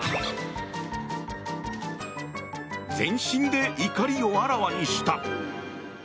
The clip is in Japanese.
全身で怒りをあらわにした。